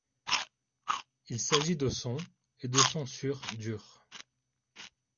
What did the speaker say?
Il s'agit de son et de son sur dur.